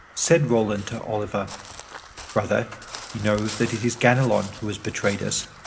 Said Roland to Oliver, "Brother, you know that it is Ganelon who has betrayed us.